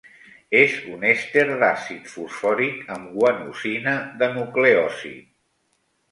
És un èster d'àcid fosfòric amb guanosina de nucleòsid.